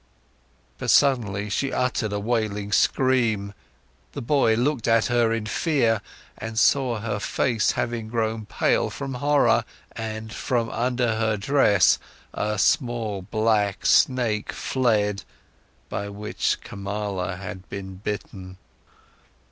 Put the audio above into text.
But suddenly, she uttered a wailing scream, the boy looked at her in fear and saw her face having grown pale from horror; and from under her dress, a small, black snake fled, by which Kamala had been bitten.